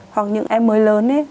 hoặc những em mới lớn ấy